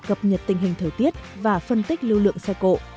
cập nhật tình hình thời tiết và phân tích lưu lượng xe cộ